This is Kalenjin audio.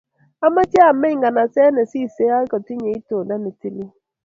Amache ameny nganaset ne sisei ak kotinyei itondo ne tilil